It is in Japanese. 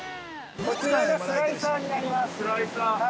◆こちらがスライサーになります。